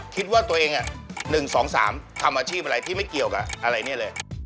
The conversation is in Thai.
คิดว่าตัวเอง๑๒๓ทำอาชีพอะไรที่ไม่เกี่ยวกับอะไรเนี่ยเลย